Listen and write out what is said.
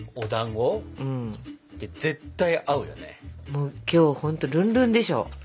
もう今日ほんとルンルンでしょ？